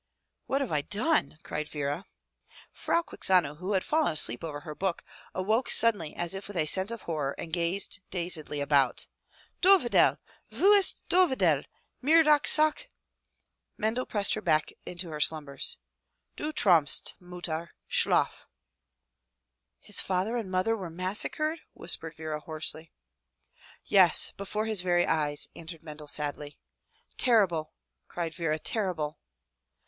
"What have I done?" cried Vera. Frau Quixano, who had fallen asleep over her book, awoke suddenly as if with a sense of horror and gazed dazedly about. ''Dovidel! Wu ist Dovidel? Mir dacht sack —" Mendel pressed her back to her slumbers. "Z)w traumsty Mutter! Schlafr "His father and mother were massacred?" whispered Vera hoarsely. 190 FROM THE TOWER WINDOW "Yes! Before his very eyes/* answered Mendel, sadly. "Terrible!" cried Vera, "Terrible."